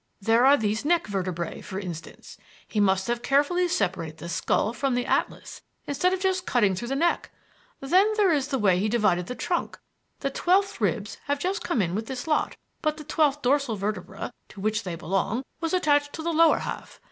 There are these neck vertebrae, for instance. He must have carefully separated the skull from the atlas instead of just cutting through the neck. Then there is the way he divided the trunk; the twelfth ribs have just come in with this lot, but the twelfth dorsal vertebra to which they belong was attached to the lower half.